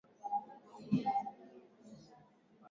katika maisha lazima watu wawe wanafanya mazoezi kwa bidii